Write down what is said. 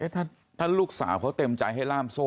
ถ้าลูกสาวเขาเต็มใจให้ล่ามโซ่